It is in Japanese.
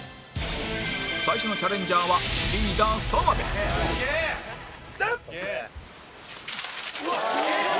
最初のチャレンジャーはリーダー澤部行くぞ！